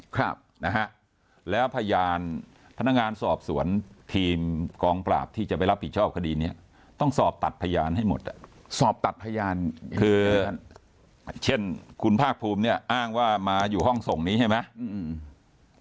ครับนะฮะแล้วพยานพนักงานสอบสวนทีมกองปราบที่จะไปรับผิดชอบคดีเนี้ยต้องสอบตัดพยานให้หมดอ่ะสอบตัดพยานคือเช่นคุณภาคภูมิเนี่ยอ้างว่ามาอยู่ห้องส่งนี้ใช่ไหมอืม